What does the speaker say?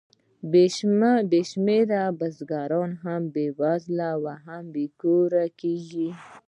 بې شمېره بزګران هم بېوزله او بې کوره کېږي